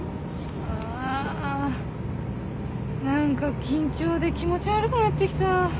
あー何か緊張で気持ち悪くなってきた。